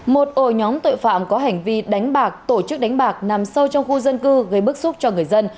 một ổ nhóm tội phạm có hành vi đánh bạc tổ chức đánh bạc nằm sâu trong khu dân cư gây bức xúc cho người dân